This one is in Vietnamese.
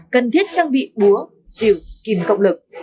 cần thiết trang bị búa diều kìm cộng lực